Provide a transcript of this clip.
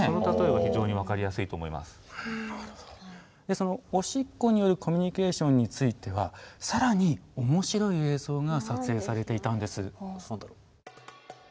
そのオシッコによるコミュニケーションについては更に面白い映像が撮影されていたんです。